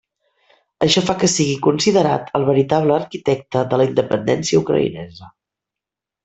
Això fa que sigui considerat el veritable arquitecte de la independència ucraïnesa.